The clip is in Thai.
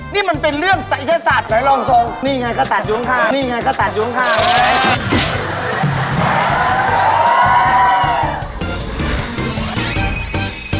นี่มันเป็นเรื่องศักดิ์ศัตริ์หรือลองทรง